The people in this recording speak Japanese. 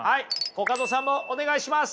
コカドさんもお願いします。